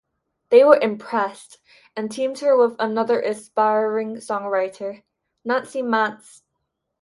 They were impressed, and teamed her with another aspiring songwriter, Nancie Mantz.